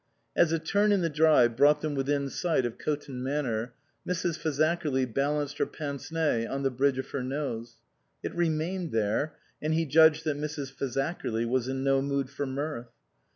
As a turn in the drive brought them within sight of Coton Manor, Mrs. Fazakerly balanced her pince nez on the bridge of her nose. It remained there, and he judged that Mrs. Fazak erly was in no mood for mirth.